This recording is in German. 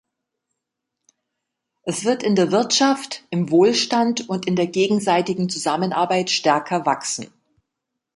Es wird in der Wirtschaft, im Wohlstand und in der gegenseitigen Zusammenarbeit stärker wachsen.